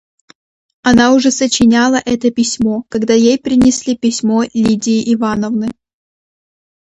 Она уже сочиняла это письмо, когда ей принесли письмо Лидии Ивановны.